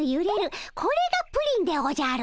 これがプリンでおじゃる。